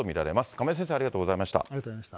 亀井先生、ありがとうございました。